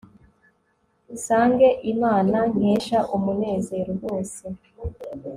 nsange imana nkesha umunezero wose